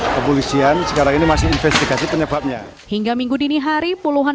kepolisian sekarang ini masih investigasi penyebabnya hingga minggu dini hari puluhan